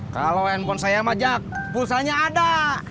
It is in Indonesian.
kalau telepon saya jack pulsanya ada